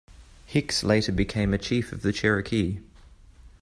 Hicks later became a chief of the Cherokee.